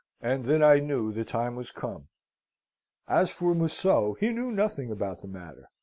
And then I knew the time was come. "As for Museau, he knew nothing about the matter.